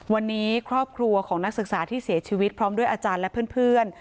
วันนี้ครอบครัวของนักศึกษาที่เสียชีวิตพร้อมด้วยอาจารย์และเพื่อน